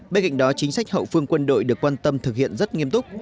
bên cạnh đó chính sách hậu phương quân đội được quan tâm thực hiện rất nghiêm túc